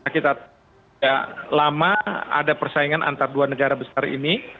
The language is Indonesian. kita tidak lama ada persaingan antar dua negara besar ini